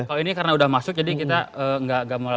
kalau ini karena sudah masuk jadi kita enggak mulai